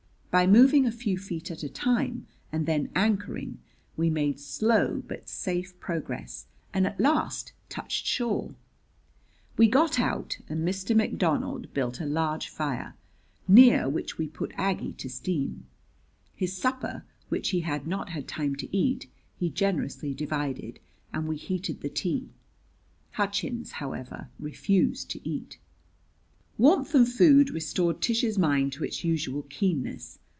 By moving a few feet at a time and then anchoring, we made slow but safe progress, and at last touched shore. We got out, and Mr. McDonald built a large fire, near which we put Aggie to steam. His supper, which he had not had time to eat, he generously divided, and we heated the tea. Hutchins, however, refused to eat. Warmth and food restored Tish's mind to its usual keenness.